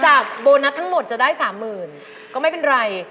โบนัสทั้งหมดจะได้๓๐๐๐ก็ไม่เป็นไร